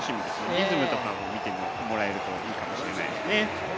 リズムとかも見てもらえるといいかもしれないですね。